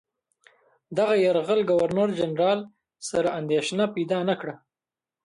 دغه یرغل ګورنرجنرال سره اندېښنه پیدا نه کړه.